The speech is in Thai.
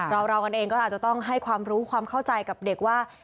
เรากันเองก็อาจจะต้องให้ความรู้ความเข้าใจกับเด็กว่า